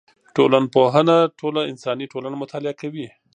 ټولنپوهنه ټوله انساني ټولنه مطالعه کوي.